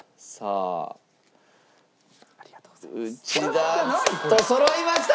ありがとうございます。